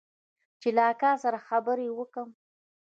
چې له اکا سره خبرې وکم.